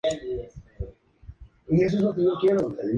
Su última producción hasta la fecha es el sencillo Rusty Lance.